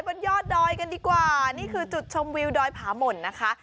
บนยอดดอยกันดีกว่านี่คือจุดชมวิวดอยผาหม่นนะคะ